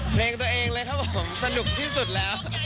เพลงตัวเองเลยครับผมสนุกที่สุดแล้ว